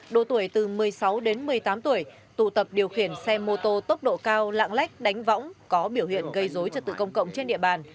đô tuổi từ một mươi sáu đến một mươi tám tuổi tụ tập điều khiển xe mô tô tốc độ cao lạng lách đánh võng có biểu hiện gây dối trật tự công cộng trên địa bàn